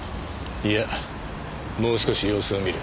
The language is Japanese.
いやもう少し様子を見る。